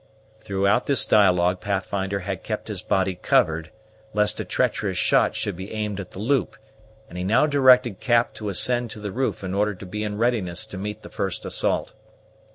Throughout this dialogue Pathfinder had kept his body covered, lest a treacherous shot should be aimed at the loop; and he now directed Cap to ascend to the roof in order to be in readiness to meet the first assault.